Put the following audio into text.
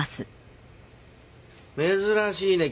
珍しいね